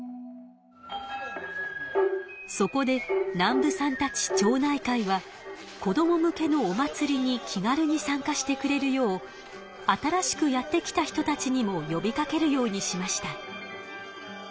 そこで南部さんたち町内会は子ども向けのお祭りに気軽に参加してくれるよう新しくやって来た人たちにもよびかけるようにしました。